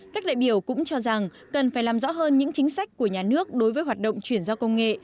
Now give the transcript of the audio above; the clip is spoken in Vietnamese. các đại biểu cũng cho rằng cần phải làm rõ hơn những chính sách của nhà nước đối với hoạt động chuyển giao công nghệ